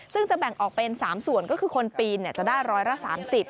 ซึ่งจะแบ่งออกเป็น๓ส่วนก็คือคนปีนจะได้ร้อยละ๓๐